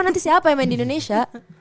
nanti siapa yang main di indonesia